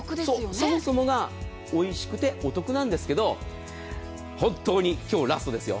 そもそもがおいしくてお得なんですけど本当に今日、ラストですよ。